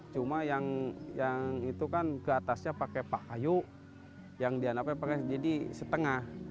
cuma yang itu kan keatasnya pakai pakaian yang dianaknya pakai jadi setengah